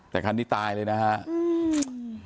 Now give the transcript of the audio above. แต่คันนี้ตายเลยนะครับ